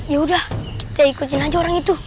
yaudah kita ikutin aja orang itu